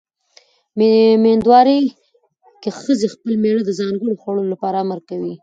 مېندوارۍ کې ښځې خپل مېړه د ځانګړو خوړو لپاره امر کوي.